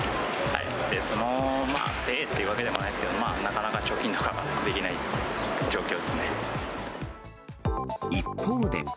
そのせいっていうわけでもないですけど、まあなかなか貯金とかで一方で。